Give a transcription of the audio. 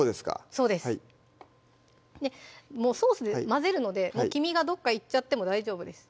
そうですソースで混ぜるので黄身がどっかいっちゃっても大丈夫です